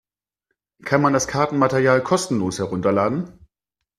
Kann man das Kartenmaterial kostenlos herunterladen?